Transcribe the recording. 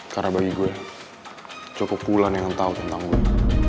karena bagi gue cukup bulan yang tau tentang gue